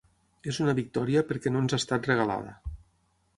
És una victòria perquè no ens ha estat regalada.